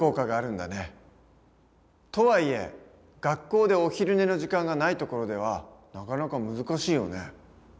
とはいえ学校でお昼寝の時間がないところではなかなか難しいよね。